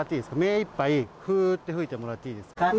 目いっぱい、ふーって吹いてもらっていいですか。